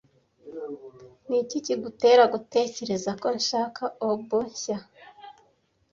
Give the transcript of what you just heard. Niki kigutera gutekereza ko nshaka oboe nshya?